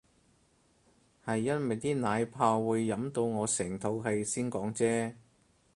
係因為啲奶泡會飲到我成肚氣先講啫